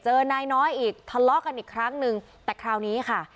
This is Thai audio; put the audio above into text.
นายน้อยอีกทะเลาะกันอีกครั้งนึงแต่คราวนี้ค่ะ